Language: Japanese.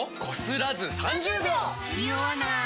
ニオわない！